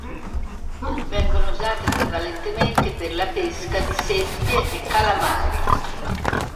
Vengono usate prevalentemente per la pesca di seppie e calamari.